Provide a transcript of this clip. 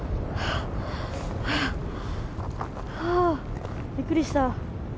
はあびっくりした。